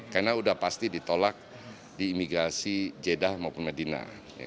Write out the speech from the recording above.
karena sudah pasti ditolak di imigrasi jeddah maupun medina